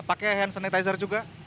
pakai hand sanitizer juga